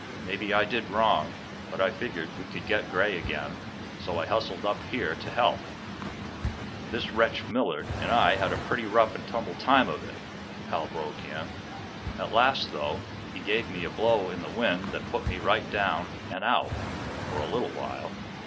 Maybe I did wrong, but I figured we could get Gray again, so I hustled up here to help." "This wretch, Millard, and I had a pretty rough and tumble time of it," Hal broke in. "At last, though, he gave me a blow in the wind that put me right down and out, for a little while.